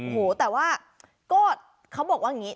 โหแต่ว่าก็เขาบอกว่าอย่างนี้